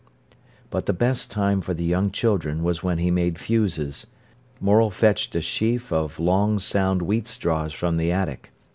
But the best time for the young children was when he made fuses. Morel fetched a sheaf of long sound wheat straws from the attic.